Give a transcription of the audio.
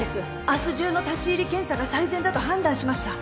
明日中の立入検査が最善だと判断しました。